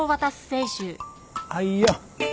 はいよ。